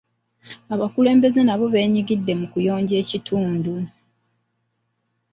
Abakulembeze nabo beenyigidde mu kuyonja ekitundu.